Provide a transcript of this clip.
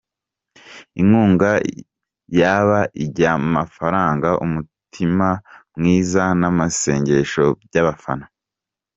Inkunga yaba iyamafaranga, umutima mwiza namasengesho byabafana.